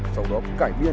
sau đó cải biên